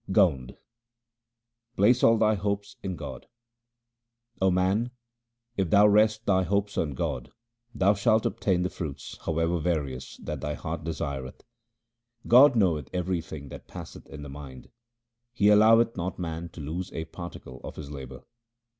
Gaund Place all thy hopes in God :— O man, if thou rest thy hopes on God thou shalt obtain the fruits, however various, that thy heart desireth. God knoweth everything that passeth in the mind ; He alloweth not man to lose a particle of his labour.